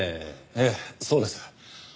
ええそうです。